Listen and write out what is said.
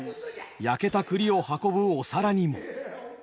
焼けた栗を運ぶお皿にも。